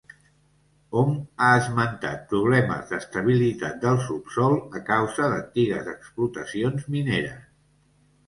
Hom ha esmentat problemes d'estabilitat del subsòl a causa d'antigues explotacions mineres.